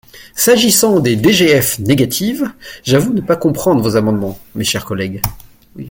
S’agissant des DGF négatives, j’avoue ne pas comprendre vos amendements, mes chers collègues.